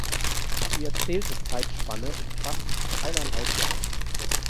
Die erzählte Zeitspanne umfasst eineinhalb Jahre.